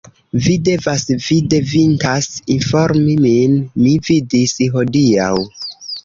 Vi devas, vi devintas informi min. Mi vidis hodiaŭ.